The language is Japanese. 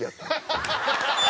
ハハハハ！